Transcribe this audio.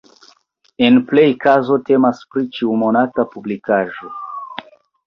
En plej kazoj temas pri ĉiumonata publikaĵo.